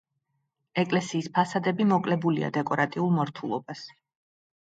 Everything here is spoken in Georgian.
ეკლესიის ფასადები მოკლებულია დეკორატიულ მორთულობას.